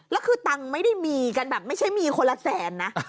แล้วคือตังค์ไม่ได้มีกันแบบไม่ใช่มีคนละแสนนะ